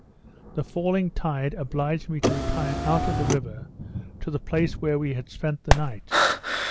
The falling tide obliged me to retire out of the river to the place where we had spent the night.